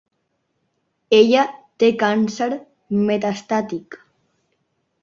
Ella té càncer metastàtic.